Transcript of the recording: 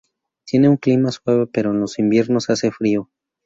Tiene un clima suave, pero en los inviernos hace frío.